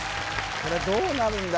これどうなるんだ？